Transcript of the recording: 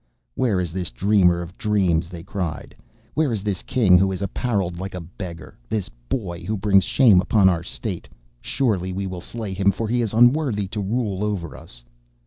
'Where is this dreamer of dreams?' they cried. 'Where is this King who is apparelled like a beggar—this boy who brings shame upon our state? Surely we will slay him, for he is unworthy to rule over us.